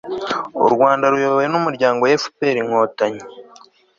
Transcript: u rwanda ruyobowe n'umuryango fpr-inkotanyi